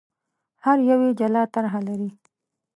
هر یو یې جلا طرح لري.